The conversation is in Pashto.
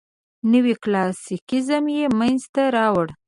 نوي کلاسیکیزم یې منځ ته راوړ.